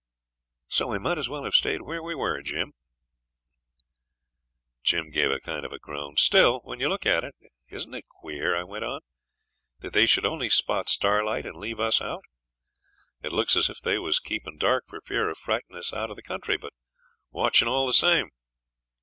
'So we might as well have stayed where we were, Jim.' Jim gave a kind of groan. 'Still, when you look at it, isn't it queer,' I went on, 'that they should only spot Starlight and leave us out? It looks as if they was keepin' dark for fear of frightening us out of the country, but watching all the same.'